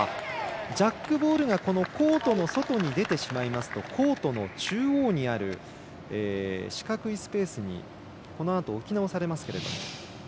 ジャックボールがコートの外に出てしまいますとコートの中央にある四角いスペースに置き直されますけれども。